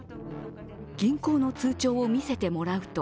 銀行の通帳を見せてもらうと